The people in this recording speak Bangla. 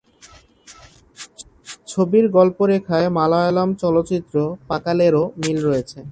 ছবির গল্পরেখায় মালায়ালম চলচ্চিত্র "পাকালের"ও মিল রয়েছে।